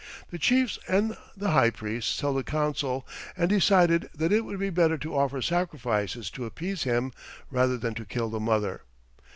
The chiefs and the high priests held a council and decided that it would be better to offer sacrifices to appease him rather than to kill the mother.